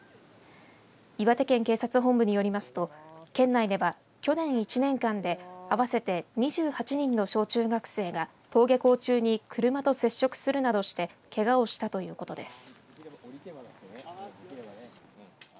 岩手県警察本部によりますと県内では去年１年間で合わせて２８人の小中学生が登下校中に車と接触するなどしてけがをしたということです。